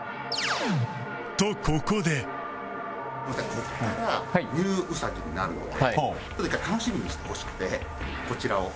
ここからニュー兎になるのでちょっと１回楽しみにしてほしくてこちらを。